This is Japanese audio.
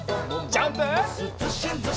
ジャンプ！